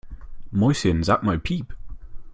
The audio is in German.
Mäuschen, sag mal piep!